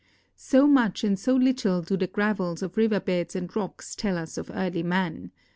80 much and so little do the gravels of river beds and rocks tell us of early man.